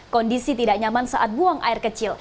kondisi tidak nyaman saat buang air kecil